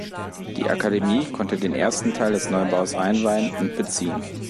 Die Akademie konnte den ersten Teil des Neubaus einweihen und beziehen.